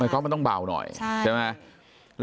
ไม้กอล์ฟมันต้องเบาหน่อยใช่ไหมใช่